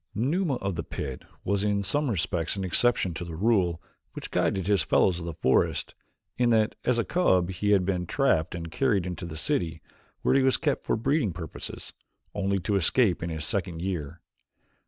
Numa of the pit was in some respects an exception to the rule which guided his fellows of the forest in that as a cub he had been trapped and carried into the city, where he was kept for breeding purposes, only to escape in his second year.